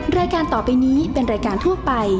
เสียงเหลวสนุกต่อไป